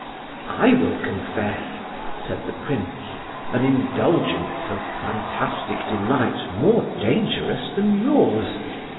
"I will confess," said the Prince, "an indulgence of fantastic delight more dangerous than yours.